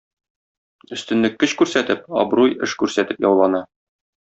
Өстенлек көч күрсәтеп, абруй эш күрсәтеп яулана.